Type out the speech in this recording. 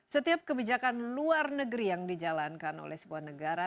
setiap kebijakan luar negeri yang dijalankan oleh sebuah negara